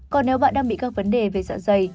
còn nếu bạn đang bị các vấn đề về dạ dày